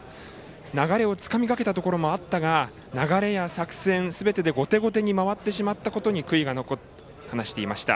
流れをつかみかけたところもあったが流れや作戦、すべてで後手後手に回ってしまったことに悔いが残っていると話していました。